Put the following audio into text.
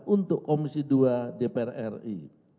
untuk komisi dua dpr ri